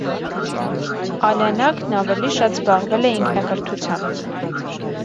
Ալյանաքն ավելի շատ զբաղվել է ինքնակրթությամբ։